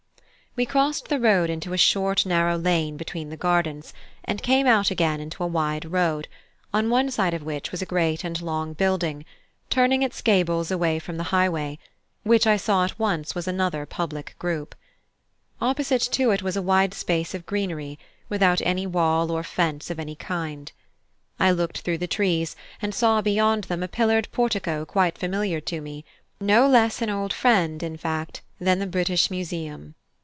We crossed the road into a short narrow lane between the gardens, and came out again into a wide road, on one side of which was a great and long building, turning its gables away from the highway, which I saw at once was another public group. Opposite to it was a wide space of greenery, without any wall or fence of any kind. I looked through the trees and saw beyond them a pillared portico quite familiar to me no less old a friend, in fact, than the British Museum.